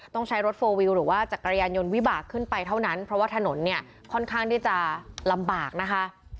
ต้องใช้รถโฟลวิวหรือว่าจักรยานยนต์วิบากขึ้นไปเท่านั้นเพราะว่าถนนเนี่ยค่อนข้างที่จะลำบากนะคะ